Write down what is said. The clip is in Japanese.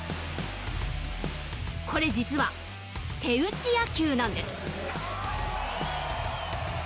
これ実は、手打ち野球なんです。